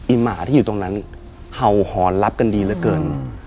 หมาที่อยู่ตรงนั้นเห่าหอนรับกันดีเหลือเกิน